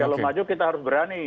kalau maju kita harus berani